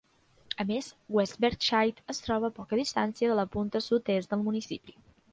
A més, West Berkshire es troba a poca distància de la punta sud-est del municipi.